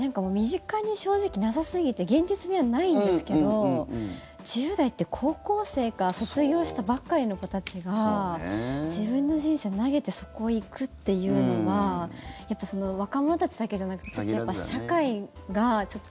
確かに身近に正直なさすぎて現実味はないんですけど１０代って高校生か卒業したばかりの子たちが自分の人生投げてそこへ行くっていうのはやっぱり若者たちだけじゃなくて社会がちょっと。